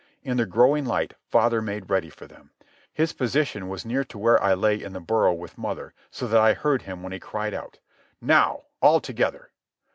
In the growing light father made ready for them. His position was near to where I lay in the burrow with mother so that I heard him when he cried out: "Now! all together!"